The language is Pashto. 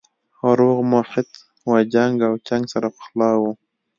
روغ محیط و جنګ او چنګ سره پخلا وو